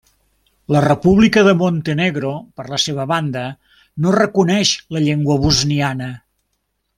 La República de Montenegro, per la seva banda, no reconeix la llengua bosniana.